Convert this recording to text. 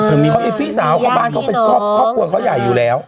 เขามีพี่สาวเข้าบ้านเขาเป็นครอบครัวเขาใหญ่อยู่แล้ว